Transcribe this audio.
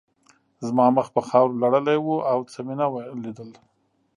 زما مخ په خاورو لړلی و او څه مې نه لیدل